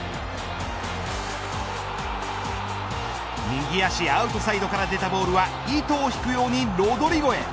右足アウトサイドから出たボールは糸を引くようにロドリゴへ。